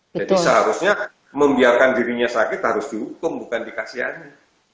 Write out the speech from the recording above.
jadi seharusnya membiarkan dirinya sakit harus dihukum bukan dikasihannya